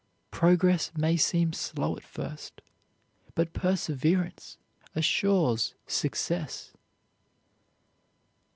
Progress may seem slow at first, but perseverance assures success.